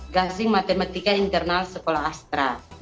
gasing matematika internal sekolah astra